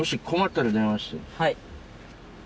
はい。